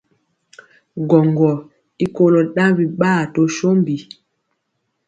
Gwɔŋgɔ i kolo ɗaŋ biɓaa to sombi.